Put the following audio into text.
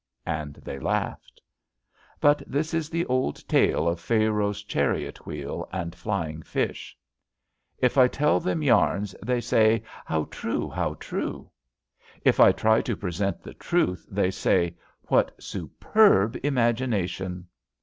'' And they laughed. But this is the old tale of Pharaoh's chariot wheel and flying fish. If I tell them yams, they say: " How true! How true! " If I try to present the truth, they say: ^^ What superb imagination!